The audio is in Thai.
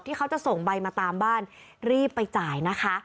เขาจะส่งใบมาตามบ้านรีบไปจ่ายนะคะ